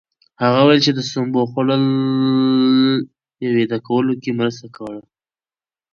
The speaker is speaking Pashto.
هغه وویل چې د سبو خوړل يې ویده کولو کې مرسته کړې.